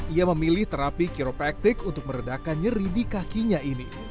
ia memilih terapi kiropraktik untuk meredakan nyeridi kakinya ini